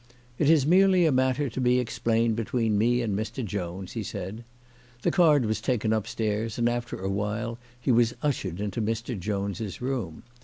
"It is merely a matter to be explained between me and Mr. Jones," he said. The card was taken upstairs, and after awhile he was ushered into Mr. Jones' room.